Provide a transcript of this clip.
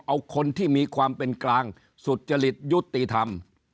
เอาคนที่มีความเป็นกลางสุจริตยุติธรรม